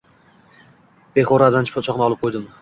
Pexuradan pichoqni olib qoʻydim.